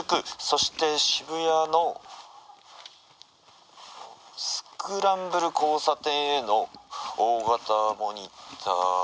そして渋谷のスクランブル交差点への大型モニターの。